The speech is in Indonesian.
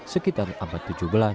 sekitar abad tujuh belas